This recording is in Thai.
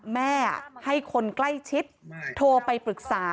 แม่ให้คนใกล้ชิดโทรไปปรึกษา